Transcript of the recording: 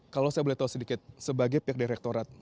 kalau saya boleh tahu sedikit sebagai pihak direktorat